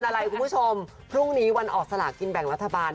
อะไรคุณผู้ชมพรุ่งนี้วันออกสลากินแบ่งรัฐบาล